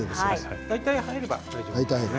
大体入れば大丈夫です。